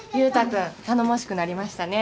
君頼もしくなりましたね。